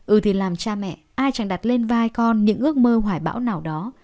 ư thì làm cha mẹ ai chẳng đặt lên vai con những ước mơ hoài bão nào đó